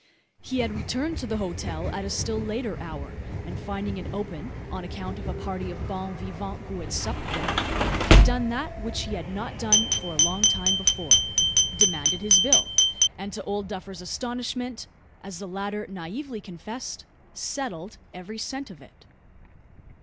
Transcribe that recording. He had returned to the hotel at a still later hour; and finding it open on account of a party of bons vivants who had supped there had done that which he had not done for a long time before demanded his bill, and to Old Duffer's astonishment as the latter naively confessed settled every cent of it!